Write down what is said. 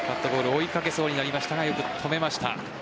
追いかけそうになりましたがよく止めました。